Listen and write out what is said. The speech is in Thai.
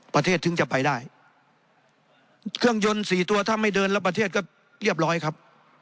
ถึงจะไปได้เครื่องยนต์สี่ตัวถ้าไม่เดินแล้วประเทศก็เรียบร้อยครับ